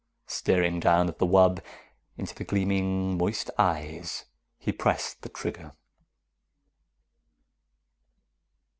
Staring down at the wub, into the gleaming, moist eyes, he pressed the trigger.